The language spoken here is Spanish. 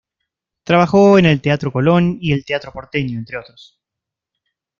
Trabajó en el Teatro Colón y el Teatro Porteño, entre otros.